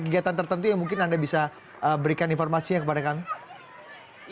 kegiatan tertentu yang mungkin anda bisa berikan informasinya kepada kami